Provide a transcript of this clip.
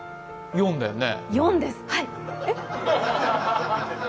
４だよね。